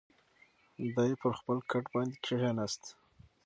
دی پر خپل کټ باندې کښېناست.